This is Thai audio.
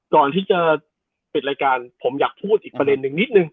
ก่อนที่จะปิดรายการผมอยากพูดสิทธิ์หนึ่ง